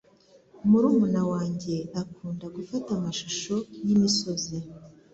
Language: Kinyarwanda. Murumuna wanjye akunda gufata amashusho yimisozi.